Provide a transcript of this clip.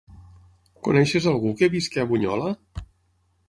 Coneixes algú que visqui a Bunyola?